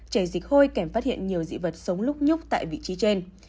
chảy dịch hôi kèm phát hiện nhiều dị vật sống lúc nhúc tại vị trí trên